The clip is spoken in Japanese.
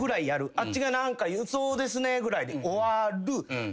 あっちが何か言うそうですねぐらいで終わる。